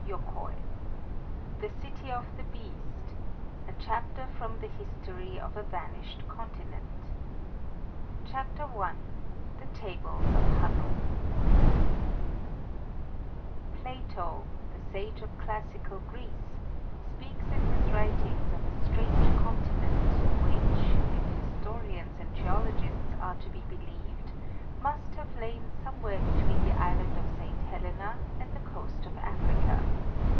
VII THE CITY OF THE BEAST A CHAPTER FROM THE HISTORY OF A VANISHED CONTINENT CHAPTER I THE TABLES OF HANNO Plato, the Sage of classical Greece, speaks in his writings of a strange continent which, if historians and geologists are to be believed, must have lain somewhere between the island of St. Helena and the coast of Africa.